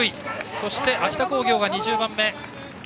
そして秋田工業が２０番目。